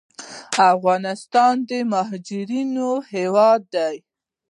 افغانستان د مهاجرینو هیواد دی